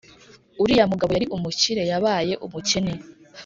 uriya mugabo yari umukire yabaye umukene